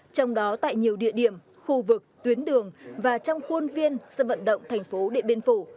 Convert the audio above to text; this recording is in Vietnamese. trong đó tại nhiều địa điểm khu vực tuyến đường và trong khuôn viên sân vận động thành phố điện biên phủ